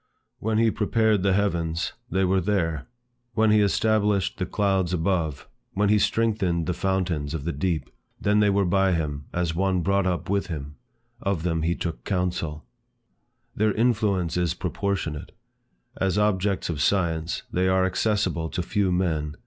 When he prepared the heavens, they were there; when he established the clouds above, when he strengthened the fountains of the deep. Then they were by him, as one brought up with him. Of them took he counsel." Their influence is proportionate. As objects of science, they are accessible to few men.